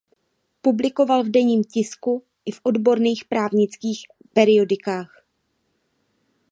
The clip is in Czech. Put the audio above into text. Publikoval v denním tisku i v odborných právnických periodikách.